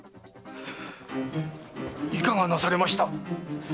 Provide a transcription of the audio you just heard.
いかがなされました？